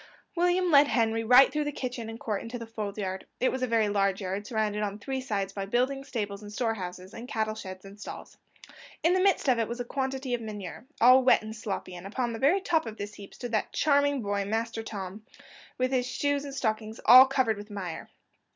William led Henry right through the kitchen and court into the fold yard: it was a very large yard, surrounded on three sides by buildings, stables, and store houses, and cattle sheds and stalls. In the midst of it was a quantity of manure, all wet and sloppy, and upon the very top of this heap stood that charming boy, Master Tom, with his shoes and stockings all covered with mire.